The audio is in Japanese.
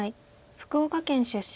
福岡県出身。